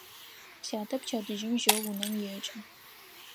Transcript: Сятэ пчэдыжьым жьэу унэм екӏы.